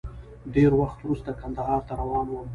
ډېر وخت وروسته کندهار ته روان وم.